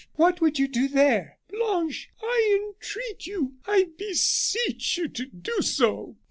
What would you do there?" "Blanche, I entreat you, I beseech you, to do so!"